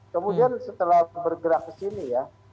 kemudian setelah bergerak ke sini ya